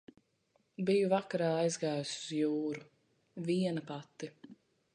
Biju vakarā aizgājusi uz jūru. Viena pati.